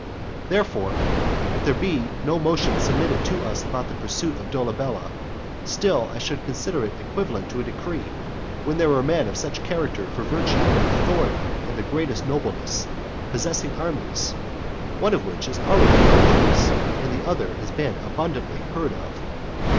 Therefore, if there were no motion submitted to us about the pursuit of Dolabella, still I should consider it equivalent to a decree, when there were men of such a character for virtue, authority, and the greatest nobleness, possessing armies, one of which is already known to us, and the other has been abundantly heard of.